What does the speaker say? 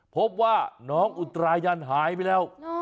พบว่าน้องอุตรายันหายไปแล้ว